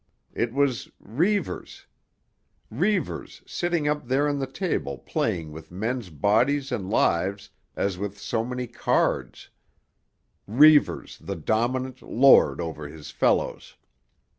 It was—Reivers. Reivers sitting up there on the table playing with men's bodies and lives as with so many cards—Reivers, the dominant, lord over his fellows.